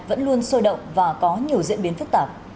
vẫn luôn sôi động và có nhiều diễn biến phức tạp